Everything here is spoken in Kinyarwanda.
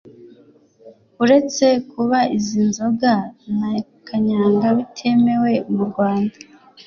Uretse kuba izi nzoga na kanyanga bitemewe mu Rwanda